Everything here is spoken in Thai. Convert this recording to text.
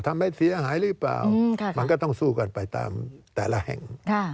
ทำให้เสียหายหรือเปล่ามันก็ต้องสู้กันไปตามแต่ละแห่ง